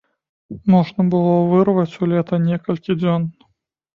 Можна было вырваць у лета некалькі дзён.